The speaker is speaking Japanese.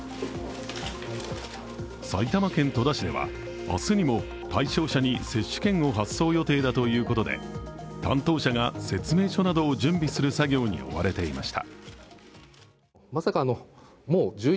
埼玉県戸田市では、明日にも対象者に接種券を発送予定だということで担当者が説明書などを準備する作業に追われていました。